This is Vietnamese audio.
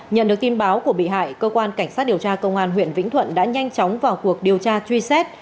nhận được tin báo của bị hại cơ quan cảnh sát điều tra công an huyện vĩnh thuận đã nhanh chóng vào cuộc điều tra truy xét